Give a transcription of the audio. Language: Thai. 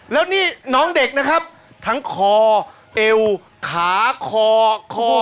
แล้วนี่น้องเด็กนะครับทั้งคอเอวขาคอคอ